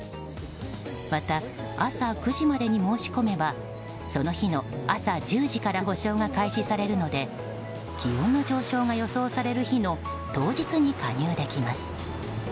また、朝９時までに申し込めばその日の朝１０時から保障が開始されるので気温の上昇が予想される日の当日に加入できます。